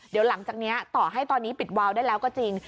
เดี๋ยวหลังจากนี้ต่อให้ตอนนี้ปิดวาวได้แล้วก็จริง